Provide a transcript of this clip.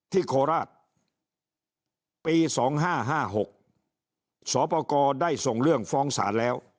โคราชปี๒๕๕๖สปกรได้ส่งเรื่องฟ้องศาลแล้ว